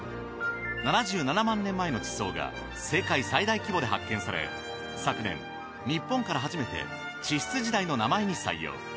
７７万年前の地層が世界最大規模で発見され昨年日本から初めて地質時代の名前に採用。